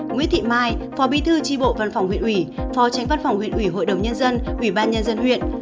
nguyễn thị mai phó bí thư tri bộ văn phòng huyện ủy phó tránh văn phòng huyện ủy hội đồng nhân dân ủy ban nhân dân huyện